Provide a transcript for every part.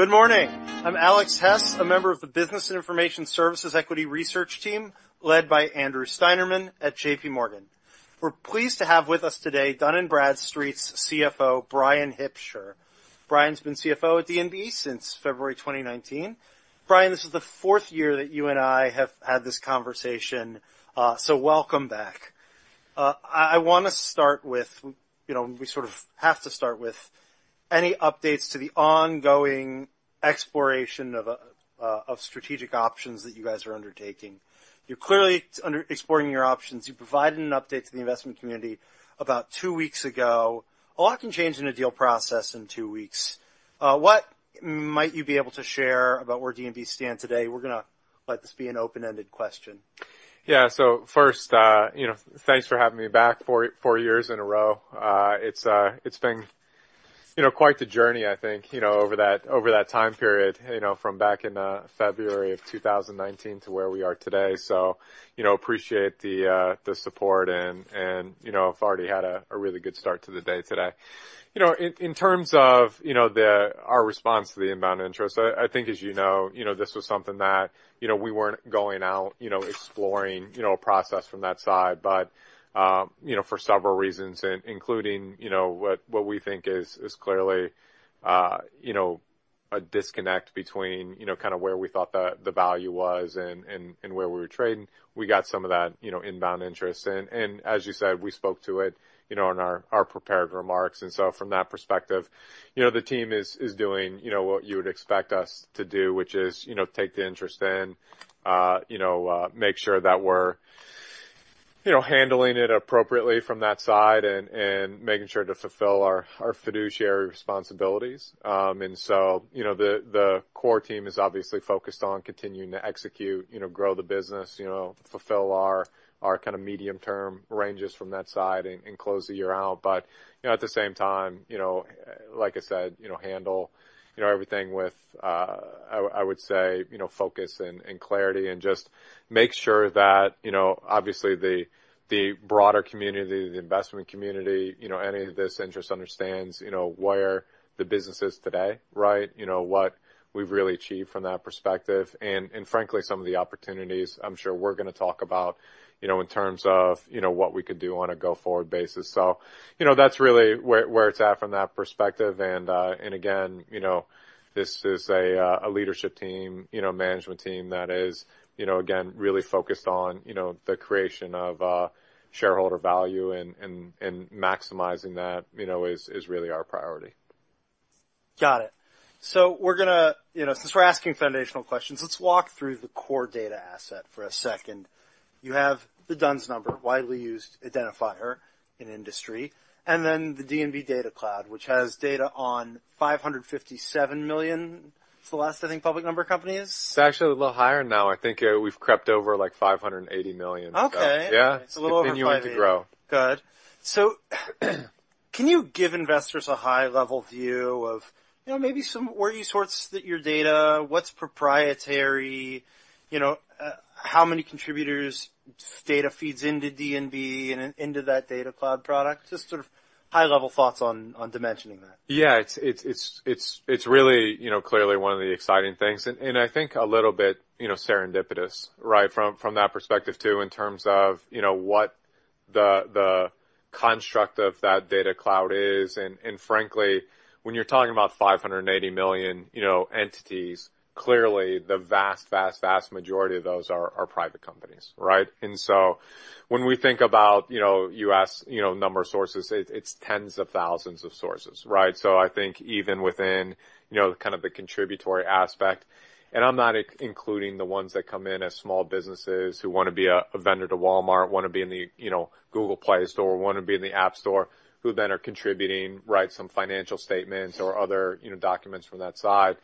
Good morning. I'm Alex Hess, a member of the Business Information Services Equity Research Team led by Andrew Steinerman at JPMorgan. We're pleased to have with us today Dun & Bradstreet's CFO, Bryan Hipsher. Bryan's been CFO at D&B since February 2019. Bryan, this is the fourth year that you and I have had this conversation, so welcome back. I want to start with, we sort of have to start with, any updates to the ongoing exploration of strategic options that you guys are undertaking. You're clearly exploring your options. You provided an update to the investment community about two weeks ago. A lot can change in a deal process in two weeks. What might you be able to share about where D&B stands today? We're going to let this be an open-ended question. Yeah, so first, thanks for having me back four years in a row. It's been quite the journey, I think, over that time period from back in February of 2019 to where we are today. So appreciate the support and have already had a really good start to the day today. In terms of our response to the inbound interest, I think, as you know, this was something that we weren't going out exploring a process from that side, but for several reasons, including what we think is clearly a disconnect between kind of where we thought the value was and where we were trading. We got some of that inbound interest, and as you said, we spoke to it in our prepared remarks. And so from that perspective, the team is doing what you would expect us to do, which is take the interest in, make sure that we're handling it appropriately from that side, and making sure to fulfill our fiduciary responsibilities. And so the core team is obviously focused on continuing to execute, grow the business, fulfill our kind of medium-term ranges from that side, and close the year out. But at the same time, like I said, handle everything with, I would say, focus and clarity and just make sure that, obviously, the broader community, the investment community, any of this interest understands where the business is today, right? What we've really achieved from that perspective. And frankly, some of the opportunities I'm sure we're going to talk about in terms of what we could do on a go-forward basis. So that's really where it's at from that perspective. And again, this is a leadership team, management team that is, again, really focused on the creation of shareholder value and maximizing that is really our priority. Got it. So we're going to, since we're asking foundational questions, let's walk through the core data asset for a second. You have the DUNS number, widely used identifier in industry, and then the D&B Data Cloud, which has data on 557 million. It's the last, I think, public number company is. It's actually a little higher now. I think we've crept over like 580 million. Okay. It's a little over 500. Continuing to grow. Good, so can you give investors a high-level view of maybe somewhere you source your data, what's proprietary, how many contributors' data feeds into D&B and into that D&B Data Cloud product? Just sort of high-level thoughts on dimensioning that. Yeah. It's really clearly one of the exciting things. And I think a little bit serendipitous, right, from that perspective too in terms of what the construct of that Data Cloud is. And frankly, when you're talking about 580 million entities, clearly, the vast, vast, vast majority of those are private companies, right? And so when we think about you asked number of sources, it's tens of thousands of sources, right? So I think even within kind of the contributory aspect, and I'm not including the ones that come in as small businesses who want to be a vendor to Walmart, want to be in the Google Play Store, want to be in the App Store, who then are contributing, right, some financial statements or other documents from that side.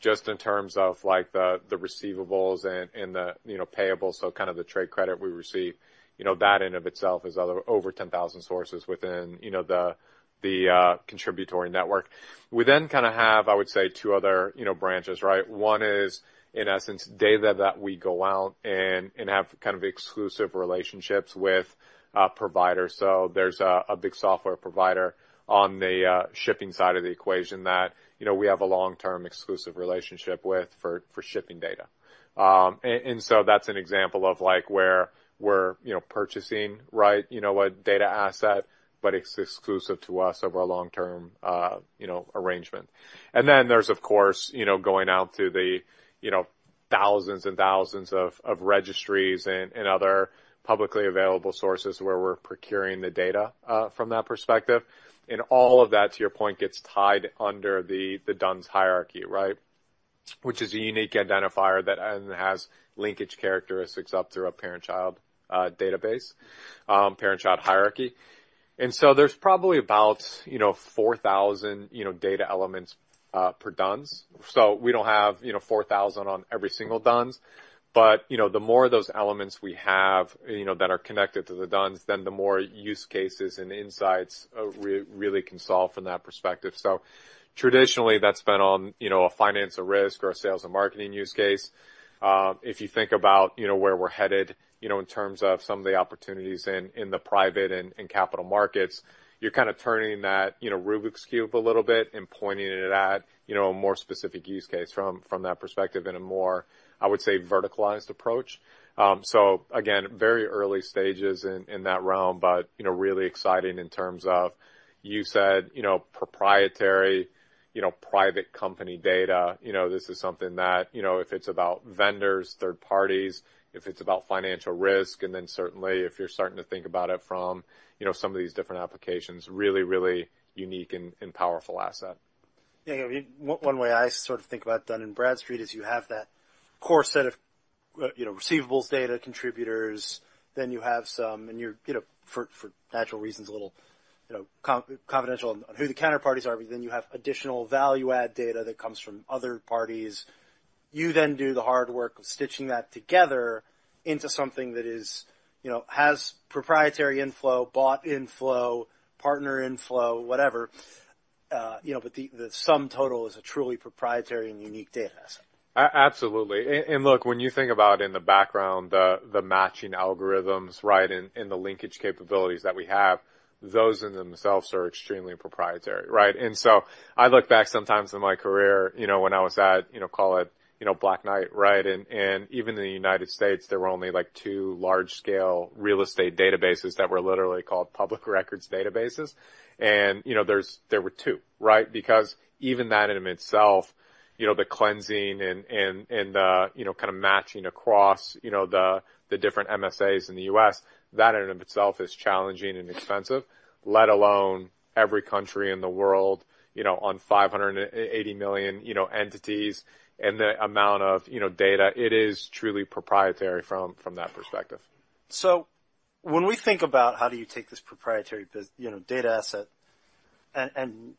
Just in terms of the receivables and the payables, so kind of the trade credit we receive, that in and of itself is over 10,000 sources within the contributory network. We then kind of have, I would say, two other branches, right? One is, in essence, data that we go out and have kind of exclusive relationships with providers. So there's a big software provider on the shipping side of the equation that we have a long-term exclusive relationship with for shipping data. And so that's an example of where we're purchasing, right, a data asset, but it's exclusive to us over a long-term arrangement. And then there's, of course, going out to the thousands and thousands of registries and other publicly available sources where we're procuring the data from that perspective. And all of that, to your point, gets tied under the DUNS hierarchy, right, which is a unique identifier that has linkage characteristics up through a parent-child database, parent-child hierarchy. And so there's probably about 4,000 data elements per DUNS. So we don't have 4,000 on every single DUNS. But the more of those elements we have that are connected to the DUNS, then the more use cases and insights we really can solve from that perspective. So traditionally, that's been on a finance or risk or a sales and marketing use case. If you think about where we're headed in terms of some of the opportunities in the private and capital markets, you're kind of turning that Rubik's Cube a little bit and pointing it at a more specific use case from that perspective in a more, I would say, verticalized approach. So again, very early stages in that realm, but really exciting in terms of, you said, proprietary private company data. This is something that, if it's about vendors, third parties, if it's about financial risk, and then certainly if you're starting to think about it from some of these different applications, really, really unique and powerful asset. Yeah. One way I sort of think about Dun & Bradstreet is you have that core set of receivables, data, contributors, then you have some, and you're, for natural reasons, a little confidential on who the counterparties are, but then you have additional value-add data that comes from other parties. You then do the hard work of stitching that together into something that has proprietary inflow, bought inflow, partner inflow, whatever. But the sum total is a truly proprietary and unique data asset. Absolutely. And look, when you think about in the background, the matching algorithms, right, and the linkage capabilities that we have, those in themselves are extremely proprietary, right? And so I look back sometimes in my career when I was at, call it, Black Knight, right? And even in the United States, there were only two large-scale real estate databases that were literally called public records databases. And there were two, right? Because even that in and of itself, the cleansing and the kind of matching across the different MSAs in the U.S., that in and of itself is challenging and expensive, let alone every country in the world on 580 million entities and the amount of data. It is truly proprietary from that perspective. So when we think about how do you take this proprietary data asset and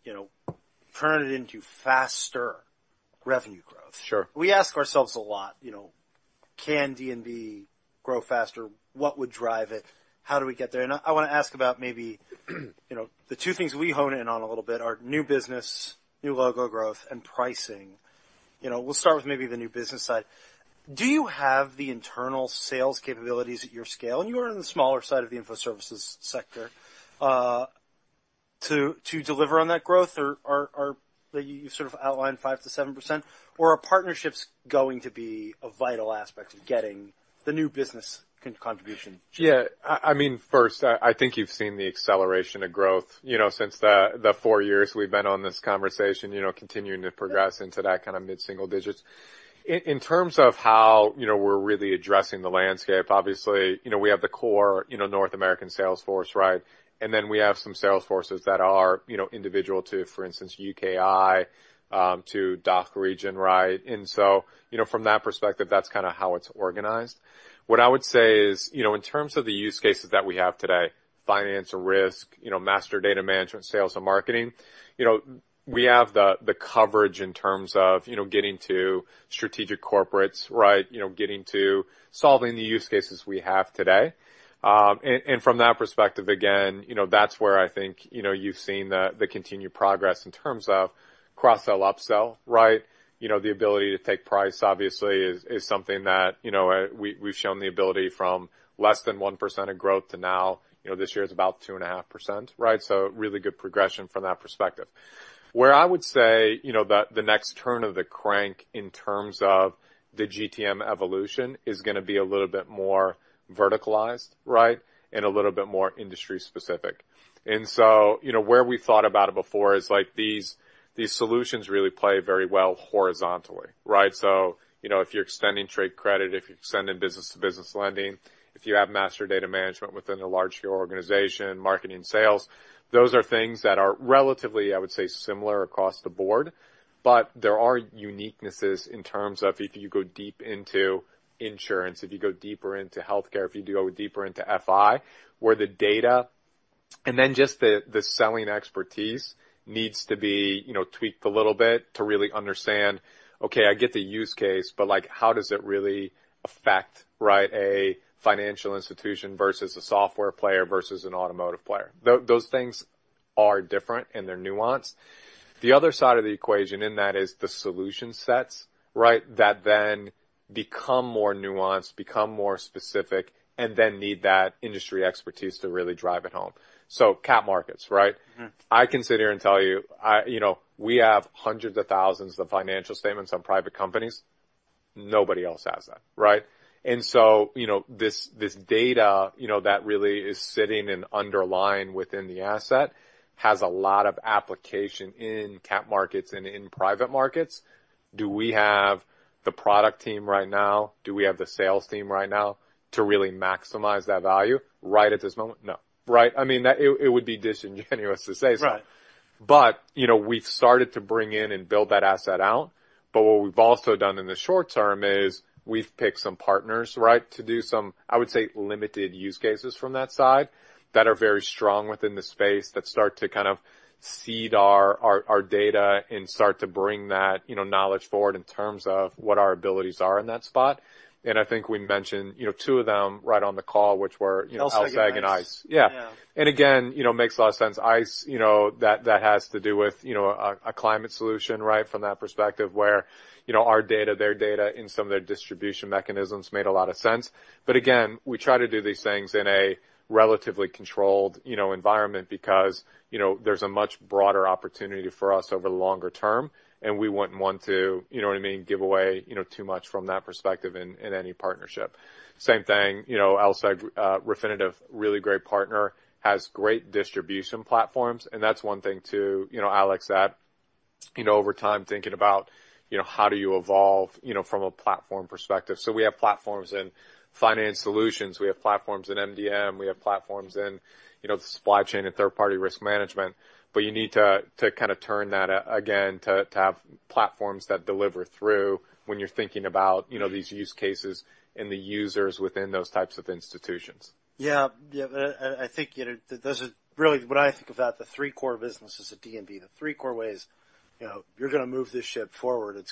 turn it into faster revenue growth, we ask ourselves a lot, "Can D&B grow faster? What would drive it? How do we get there?" And I want to ask about maybe the two things we hone in on a little bit are new business, new logo growth, and pricing. We'll start with maybe the new business side. Do you have the internal sales capabilities at your scale, and you are on the smaller side of the infoservices sector, to deliver on that growth that you sort of outlined, 5%-7%? Or are partnerships going to be a vital aspect of getting the new business contribution? Yeah. I mean, first, I think you've seen the acceleration of growth since the four years we've been on this conversation, continuing to progress into that kind of mid-single digits. In terms of how we're really addressing the landscape, obviously, we have the core North American sales force, right? And then we have some sales forces that are individual to, for instance, UKI to DACH region, right? And so from that perspective, that's kind of how it's organized. What I would say is, in terms of the use cases that we have today, finance or risk, master data management, sales, and marketing, we have the coverage in terms of getting to strategic corporates, right? Getting to solving the use cases we have today. And from that perspective, again, that's where I think you've seen the continued progress in terms of cross-sell, upsell, right? The ability to take price, obviously, is something that we've shown the ability from less than 1% of growth to now, this year is about 2.5%, right? So really good progression from that perspective. Where I would say the next turn of the crank in terms of the GTM evolution is going to be a little bit more verticalized, right, and a little bit more industry-specific. And so where we thought about it before is these solutions really play very well horizontally, right? So if you're extending trade credit, if you're extending business-to-business lending, if you have master data management within a large-scale organization, marketing, sales, those are things that are relatively, I would say, similar across the board. But there are uniquenesses in terms of if you go deep into insurance, if you go deeper into healthcare, if you go deeper into FI, where the data and then just the selling expertise needs to be tweaked a little bit to really understand, "Okay, I get the use case, but how does it really affect, right, a financial institution versus a software player versus an automotive player?" Those things are different and they're nuanced. The other side of the equation in that is the solution sets, right, that then become more nuanced, become more specific, and then need that industry expertise to really drive it home. So cap markets, right? I can sit here and tell you we have hundreds of thousands of financial statements on private companies. Nobody else has that, right? And so this data that really is sitting and underlying within the asset has a lot of application in cap markets and in private markets. Do we have the product team right now? Do we have the sales team right now to really maximize that value right at this moment? No. Right? I mean, it would be disingenuous to say so. But we've started to bring in and build that asset out. But what we've also done in the short term is we've picked some partners, right, to do some, I would say, limited use cases from that side that are very strong within the space that start to kind of seed our data and start to bring that knowledge forward in terms of what our abilities are in that spot. And I think we mentioned two of them right on the call, which were LSEG and ICE. LSEG. Yeah. Yeah. And again, makes a lot of sense. ICE, that has to do with a climate solution, right, from that perspective where our data, their data in some of their distribution mechanisms made a lot of sense. But again, we try to do these things in a relatively controlled environment because there's a much broader opportunity for us over the longer term. And we wouldn't want to, you know what I mean, give away too much from that perspective in any partnership. Same thing, LSEG, Refinitiv, really great partner, has great distribution platforms. And that's one thing too, Alex, that over time thinking about how do you evolve from a platform perspective. So we have platforms in Finance Solutions. We have platforms in MDM. We have platforms in supply chain and third-party risk management. But you need to kind of turn that again to have platforms that deliver through when you're thinking about these use cases and the users within those types of institutions. Yeah. Yeah. I think that doesn't really what I think about the three core businesses at D&B, the three core ways you're going to move this ship forward. It's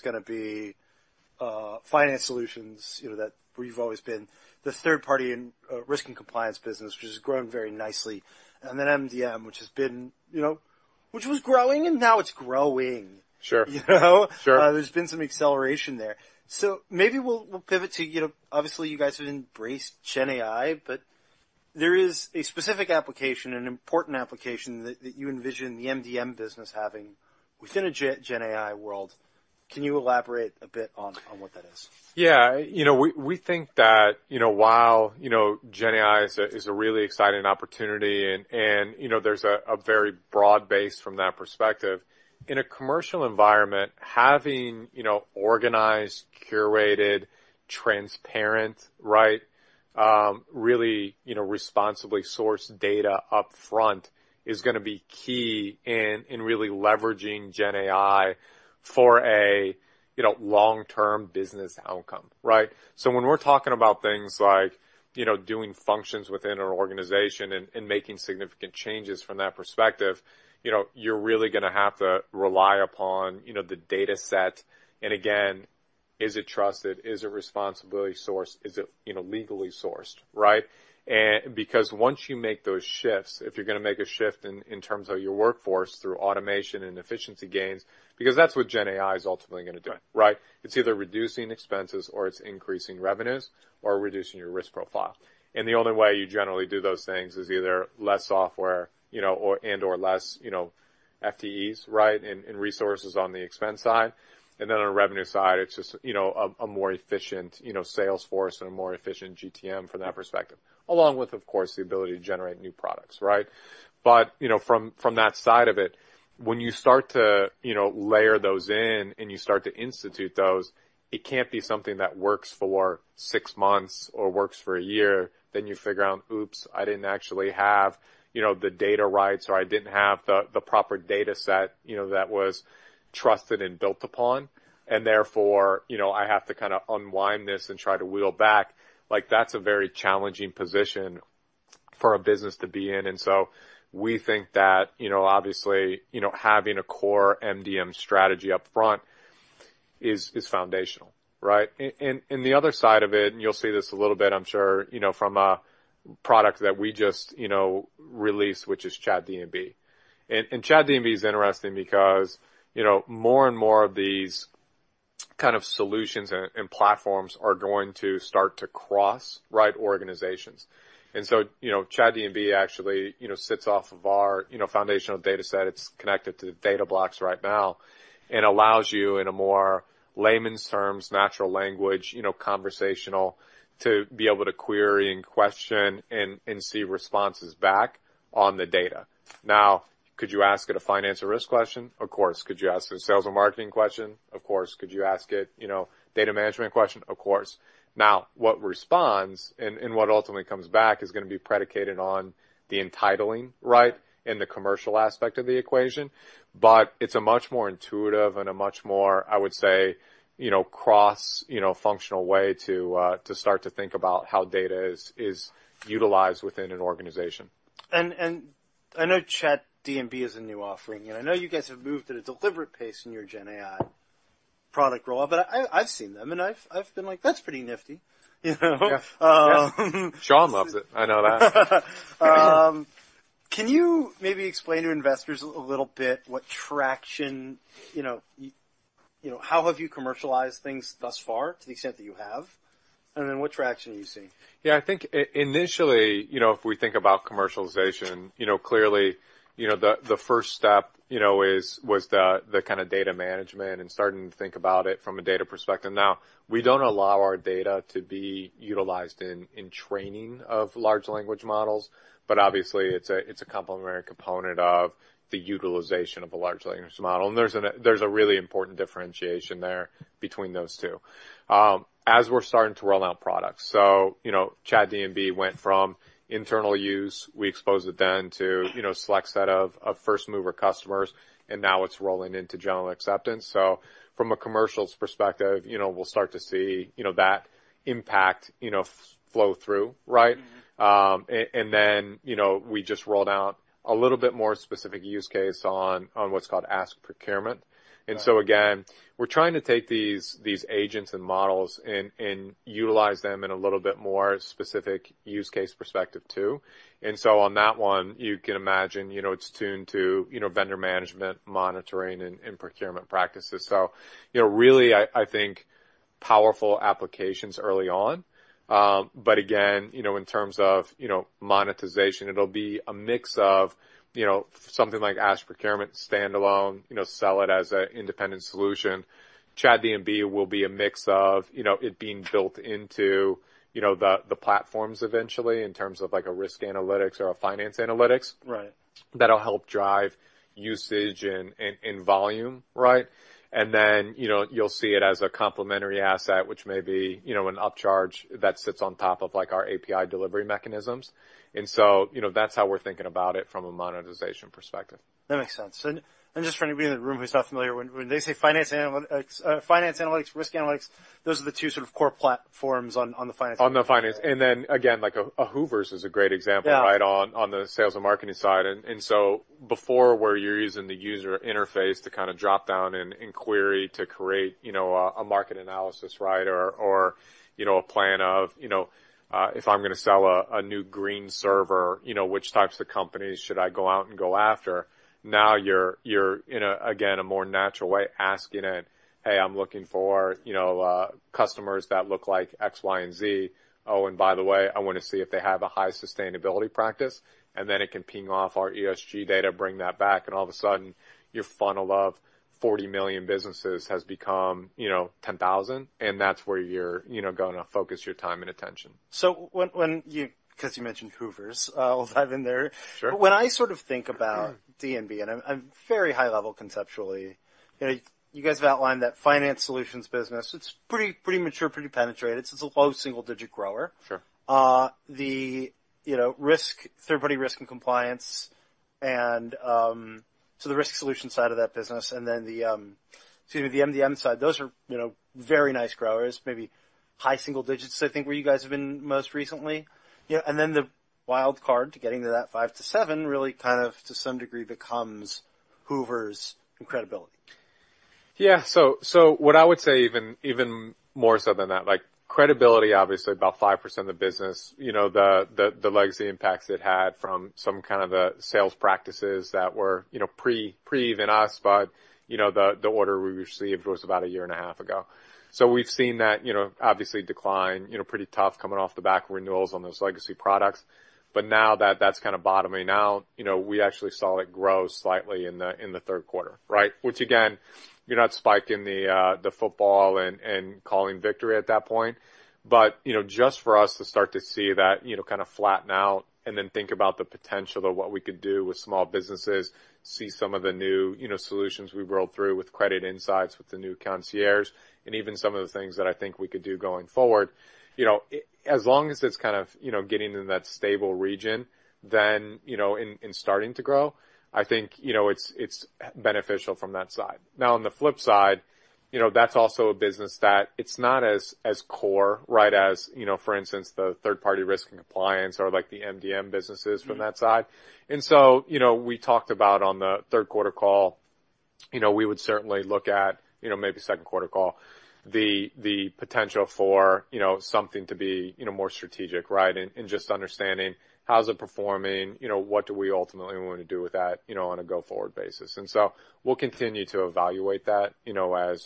going to be Finance Solutions that you've always been, the Third-Party Risk and Compliance business, which has grown very nicely, and then MDM, which has been growing, and now it's growing. Sure. Sure. There's been some acceleration there. So maybe we'll pivot to, obviously, you guys have embraced GenAI, but there is a specific application, an important application that you envision the MDM business having within a GenAI world. Can you elaborate a bit on what that is? Yeah. We think that while GenAI is a really exciting opportunity and there's a very broad base from that perspective, in a commercial environment, having organized, curated, transparent, right, really responsibly sourced data upfront is going to be key in really leveraging GenAI for a long-term business outcome, right? So when we're talking about things like doing functions within an organization and making significant changes from that perspective, you're really going to have to rely upon the data set. And again, is it trusted? Is it responsibly sourced? Is it legally sourced, right? Because once you make those shifts, if you're going to make a shift in terms of your workforce through automation and efficiency gains, because that's what GenAI is ultimately going to do, right? It's either reducing expenses or it's increasing revenues or reducing your risk profile. And the only way you generally do those things is either less software and/or less FTEs, right, and resources on the expense side. And then on a revenue side, it's just a more efficient sales force and a more efficient GTM from that perspective, along with, of course, the ability to generate new products, right? But from that side of it, when you start to layer those in and you start to institute those, it can't be something that works for six months or works for a year. Then you figure out, "Oops, I didn't actually have the data rights," or, "I didn't have the proper data set that was trusted and built upon." And therefore, I have to kind of unwind this and try to reel back. That's a very challenging position for a business to be in. And so we think that, obviously, having a core MDM strategy upfront is foundational, right? And the other side of it, and you'll see this a little bit, I'm sure, from a product that we just released, which is ChatD&B. And ChatD&B is interesting because more and more of these kind of solutions and platforms are going to start to cross, right, organizations. And so ChatD&B actually sits off of our foundational data set. It's connected to the Data Blocks right now and allows you, in a more layman's terms, natural language, conversational, to be able to query and question and see responses back on the data. Now, could you ask it a finance or risk question? Of course. Could you ask it a sales or marketing question? Of course. Could you ask it a data management question? Of course. Now, what responds and what ultimately comes back is going to be predicated on the entitling, right, and the commercial aspect of the equation. But it's a much more intuitive and a much more, I would say, cross-functional way to start to think about how data is utilized within an organization. And I know ChatD&B is a new offering. And I know you guys have moved at a deliberate pace in your GenAI product rollout, but I've seen them. And I've been like, "That's pretty nifty. Yeah. Yeah. Sean loves it. I know that. Can you maybe explain to investors a little bit what traction, how have you commercialized things thus far to the extent that you have? And then what traction are you seeing? Yeah. I think initially, if we think about commercialization, clearly, the first step was the kind of data management and starting to think about it from a data perspective. Now, we don't allow our data to be utilized in training of large language models, but obviously, it's a complementary component of the utilization of a large language model. And there's a really important differentiation there between those two as we're starting to roll out products. So ChatD&B went from internal use. We exposed it then to a select set of first-mover customers. And now it's rolling into general acceptance. So from a commercial perspective, we'll start to see that impact flow through, right? And then we just rolled out a little bit more specific use case on what's called Ask Procurement. And so again, we're trying to take these agents and models and utilize them in a little bit more specific use case perspective too. And so on that one, you can imagine it's tuned to vendor management, monitoring, and procurement practices. So really, I think, powerful applications early on. But again, in terms of monetization, it'll be a mix of something like Ask Procurement, standalone, sell it as an independent solution. ChatD&B will be a mix of it being built into the platforms eventually in terms of a Risk Analytics or a Finance Analytics that'll help drive usage and volume, right? And then you'll see it as a complementary asset, which may be an upcharge that sits on top of our API delivery mechanisms. And so that's how we're thinking about it from a monetization perspective. That makes sense. And just for anybody in the room who's not familiar, when they say finance analytics, risk analytics, those are the two sort of core platforms on the finance. On the finance. And then again, D&B Hoovers is a great example, right, on the sales and marketing side. And so before, where you're using the user interface to kind of drop down and query to create a market analysis, right, or a plan of, "If I'm going to sell a new green server, which types of companies should I go out and go after?" Now you're in, again, a more natural way asking it, "Hey, I'm looking for customers that look like X, Y, and Z. Oh, and by the way, I want to see if they have a high sustainability practice." And then it can ping off our ESG data, bring that back. And all of a sudden, your funnel of 40 million businesses has become 10,000. And that's where you're going to focus your time and attention. So because you mentioned Hoovers, I'll dive in there. But when I sort of think about D&B, and I'm very high level conceptually, you guys have outlined that finance solutions business. It's pretty mature, pretty penetrated. It's a low single-digit grower. The third-party risk and compliance, and so the risk solution side of that business, and then the, excuse me, the MDM side, those are very nice growers, maybe high single digits, I think, where you guys have been most recently. And then the wild card to getting to that five to seven really kind of, to some degree, becomes Hoovers' Credibility. Yeah. So what I would say, even more so than that, Credibility, obviously, about 5% of the business, the legacy impacts it had from some kind of the sales practices that were pre-even us, but the order we received was about a year and a half ago. So we've seen that obviously decline, pretty tough coming off the back of renewals on those legacy products. But now that that's kind of bottoming out, we actually saw it grow slightly in the third quarter, right? Which, again, you're not spiking the football and calling victory at that point. But just for us to start to see that kind of flatten out and then think about the potential of what we could do with small businesses, see some of the new solutions we rolled through with Credit Insights, with the new Concierge, and even some of the things that I think we could do going forward. As long as it's kind of getting in that stable region, then in starting to grow, I think it's beneficial from that side. Now, on the flip side, that's also a business that it's not as core, right, as, for instance, the third-party risk and compliance or the MDM businesses from that side. And so we talked about on the third quarter call, we would certainly look at, maybe second quarter call, the potential for something to be more strategic, right, and just understanding how's it performing, what do we ultimately want to do with that on a go-forward basis. And so we'll continue to evaluate that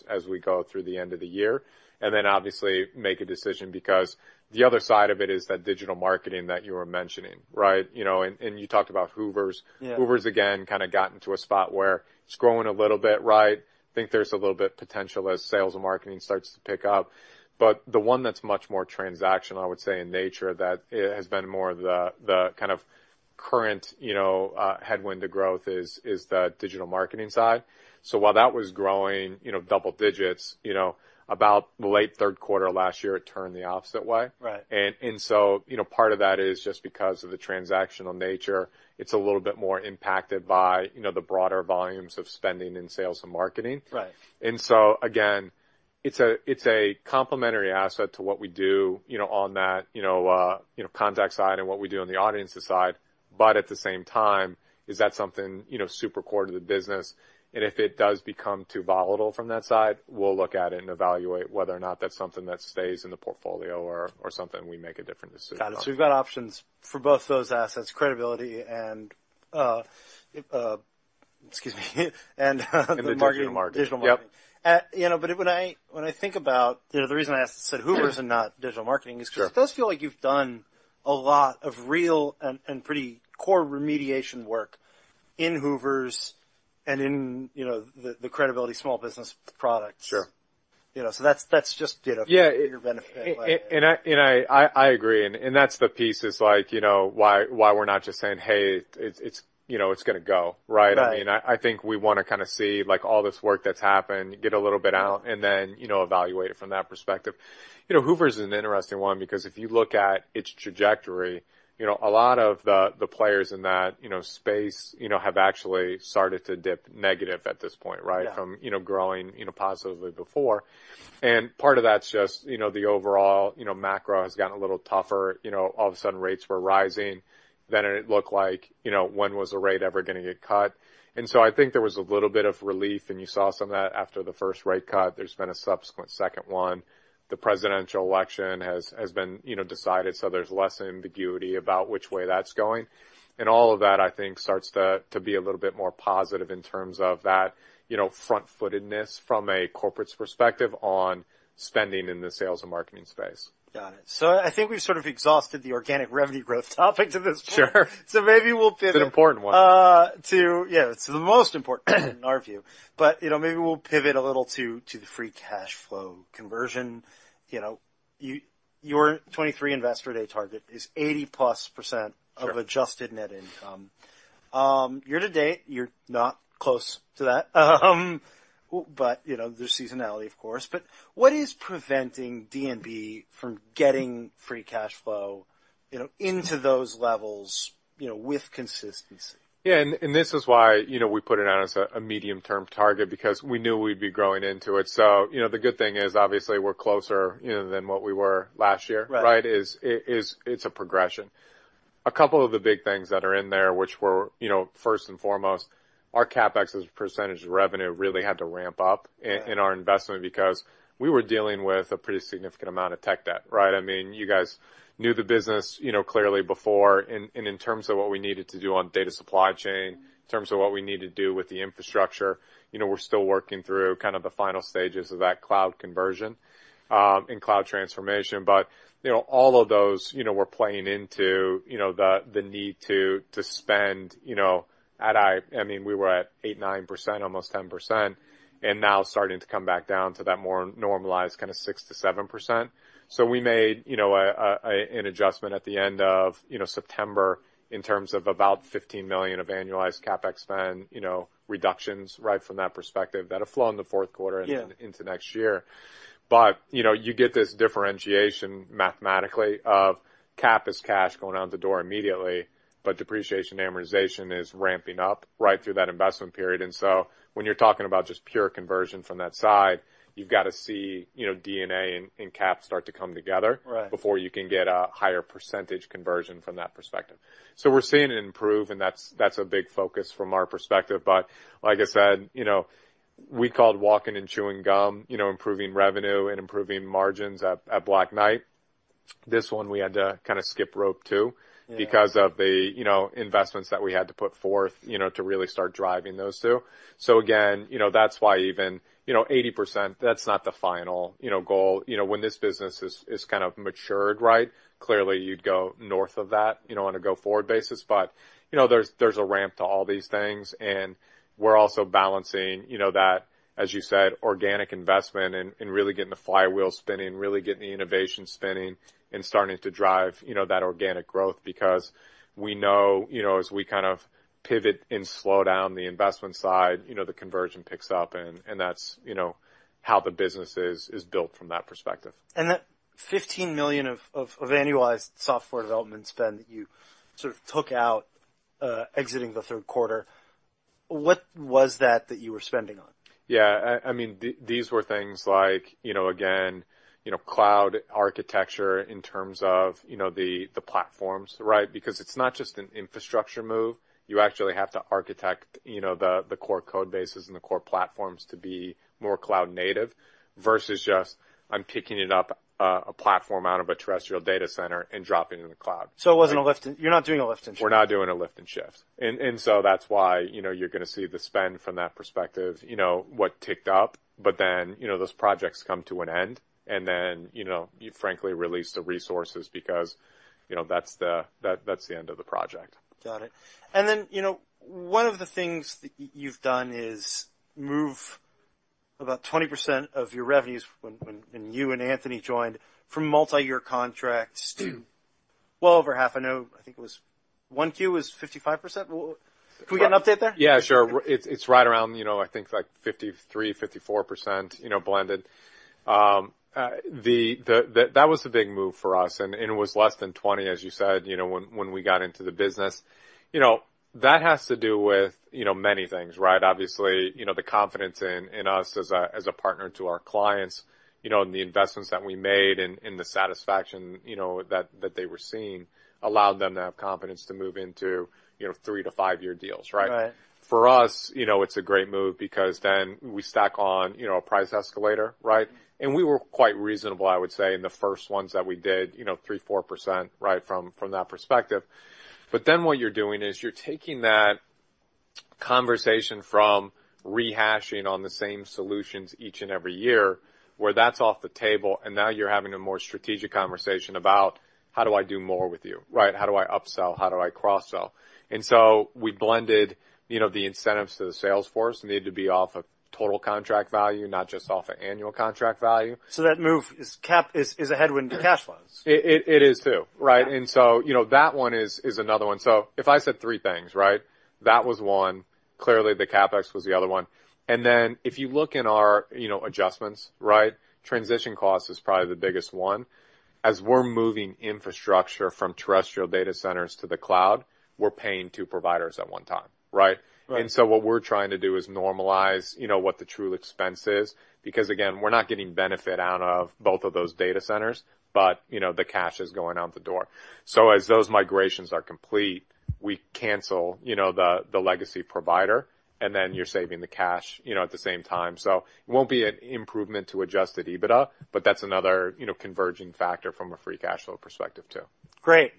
as we go through the end of the year and then obviously make a decision because the other side of it is that Digital Marketing that you were mentioning, right? And you talked about Hoovers. Hoovers, again, kind of got into a spot where it's growing a little bit, right? I think there's a little bit of potential as sales and marketing starts to pick up. But the one that's much more transactional, I would say, in nature, that has been more of the kind of current headwind to growth is the Digital Marketing side. So while that was growing double digits, about the late third quarter last year, it turned the opposite way. And so part of that is just because of the transactional nature. It's a little bit more impacted by the broader volumes of spending in sales and marketing. And so, again, it's a complementary asset to what we do on that contact side and what we do on the audience side. But at the same time, is that something super core to the business? And if it does become too volatile from that side, we'll look at it and evaluate whether or not that's something that stays in the portfolio or something we make a different decision on. Got it. So we've got options for both those assets, credibility and, excuse me, and the Digital Marketing. And the Digital Marketing. Yeah, but when I think about the reason I asked, you said Hoovers and not Digital Marketing is because it does feel like you've done a lot of real and pretty core remediation work in Hoovers and in the credibility small business products. So that's just for your benefit. And I agree. And that's the piece is why we're not just saying, "Hey, it's going to go," right? I mean, I think we want to kind of see all this work that's happened, get a little bit out, and then evaluate it from that perspective. D&B Hoovers is an interesting one because if you look at its trajectory, a lot of the players in that space have actually started to dip negative at this point, right, from growing positively before. And part of that's just the overall macro has gotten a little tougher. All of a sudden, rates were rising. Then it looked like when was a rate ever going to get cut? And so I think there was a little bit of relief, and you saw some of that after the first rate cut. There's been a subsequent second one. The presidential election has been decided, so there's less ambiguity about which way that's going, and all of that, I think, starts to be a little bit more positive in terms of that front-footedness from a corporate's perspective on spending in the sales and marketing space. Got it. So I think we've sort of exhausted the organic revenue growth topic to this point. So maybe we'll pivot. It's an important one. Yeah. It's the most important in our view. But maybe we'll pivot a little to the free cash flow conversion. Your 2023 investor day target is 80+% of adjusted net income. Year to date, you're not close to that. But there's seasonality, of course. But what is preventing D&B from getting free cash flow into those levels with consistency? Yeah. And this is why we put it out as a medium-term target because we knew we'd be growing into it. So the good thing is, obviously, we're closer than what we were last year, right? It's a progression. A couple of the big things that are in there, which were first and foremost, our CapEx as a percentage of revenue really had to ramp up in our investment because we were dealing with a pretty significant amount of tech debt, right? I mean, you guys knew the business clearly before. And in terms of what we needed to do on data supply chain, in terms of what we need to do with the infrastructure, we're still working through kind of the final stages of that cloud conversion and cloud transformation. But all of those were playing into the need to spend at—I mean, we were at 8-9%, almost 10%, and now starting to come back down to that more normalized kind of 6-7%. So we made an adjustment at the end of September in terms of about $15 million of annualized CapEx spend reductions, right, from that perspective that have flown the fourth quarter into next year. But you get this differentiation mathematically of cap is cash going out the door immediately, but depreciation amortization is ramping up right through that investment period. And so when you're talking about just pure conversion from that side, you've got to see D&A and cap start to come together before you can get a higher percentage conversion from that perspective. So we're seeing it improve, and that's a big focus from our perspective. But like I said, we called walking and chewing gum, improving revenue and improving margins at Black Knight. This one, we had to kind of skip rope too because of the investments that we had to put forth to really start driving those two. So again, that's why even 80%, that's not the final goal. When this business is kind of matured, right, clearly you'd go north of that on a go-forward basis. But there's a ramp to all these things. And we're also balancing that, as you said, organic investment and really getting the flywheel spinning, really getting the innovation spinning and starting to drive that organic growth because we know as we kind of pivot and slow down the investment side, the conversion picks up. And that's how the business is built from that perspective. And that $15 million of annualized software development spend that you sort of took out exiting the third quarter, what was that that you were spending on? Yeah. I mean, these were things like, again, cloud architecture in terms of the platforms, right? Because it's not just an infrastructure move. You actually have to architect the core code bases and the core platforms to be more cloud-native versus just I'm picking it up, a platform out of a terrestrial data center and dropping it in the cloud. So it wasn't a lift and you're not doing a lift and shift. We're not doing a lift and shift. And so that's why you're going to see the spend from that perspective, what ticked up. But then those projects come to an end, and then you frankly release the resources because that's the end of the project. Got it. And then one of the things that you've done is move about 20% of your revenues when you and Anthony joined from multi-year contracts to well over half. I know I think it was one Q was 55%. Can we get an update there? Yeah, sure. It's right around, I think, like 53%-54% blended. That was the big move for us. And it was less than 20%, as you said, when we got into the business. That has to do with many things, right? Obviously, the confidence in us as a partner to our clients and the investments that we made and the satisfaction that they were seeing allowed them to have confidence to move into three- to five-year deals, right? For us, it's a great move because then we stack on a price escalator, right? And we were quite reasonable, I would say, in the first ones that we did, 3%-4%, right, from that perspective. But then what you're doing is you're taking that conversation from rehashing on the same solutions each and every year where that's off the table, and now you're having a more strategic conversation about, "How do I do more with you, right? How do I upsell? How do I cross-sell?" And so we blended the incentives to the sales force needed to be off of total contract value, not just off of annual contract value. That move is a headwind to cash flows. It is too, right? And so that one is another one. So if I said three things, right? That was one. Clearly, the CapEx was the other one. And then if you look in our adjustments, right, transition cost is probably the biggest one. As we're moving infrastructure from terrestrial data centers to the cloud, we're paying two providers at one time, right? And so what we're trying to do is normalize what the true expense is because, again, we're not getting benefit out of both of those data centers, but the cash is going out the door. So as those migrations are complete, we cancel the legacy provider, and then you're saving the cash at the same time. So it won't be an improvement to adjusted EBITDA, but that's another converging factor from a free cash flow perspective too. Great.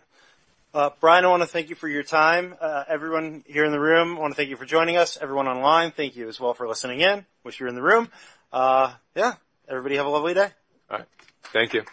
Bryan, I want to thank you for your time. Everyone here in the room, I want to thank you for joining us. Everyone online, thank you as well for listening in. Wish you were in the room. Yeah. Everybody have a lovely day. All right. Thank you.